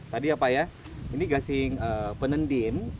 tadi apa ya ini gasing penendin